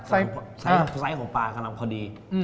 ไซส์ของปลากำลังพอดี